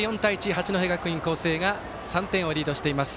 八戸学院光星が３点をリードしています。